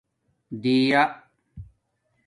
دِیݳ